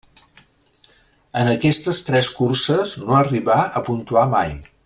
En aquestes tres curses no arribà a puntuar mai.